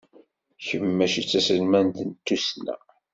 Kemm maci d taselmadt n tussna?